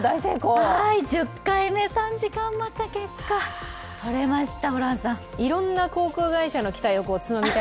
１０回目、３時間待った結果とれました。